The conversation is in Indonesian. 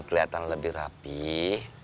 keliatan lebih rapih